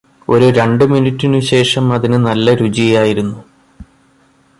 ഒരു രണ്ട് മിനുട്ടിന് ശേഷം അതിന് നല്ല രുചിയായിരുന്നു